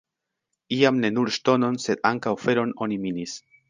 Iam ne nur ŝtonon, sed ankaŭ feron oni minis.